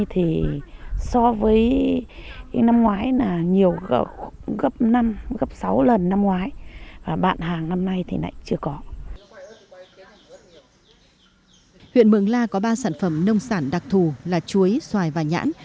huyện mường la có ba sản phẩm nông sản đặc thù là chuối xoài và nhãn